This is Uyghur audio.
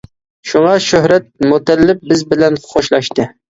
شۇڭا شۆھرەت مۇتەللىپ بىز بىلەن خوشلاشتى.